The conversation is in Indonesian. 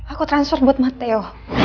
aku transfer buat matteo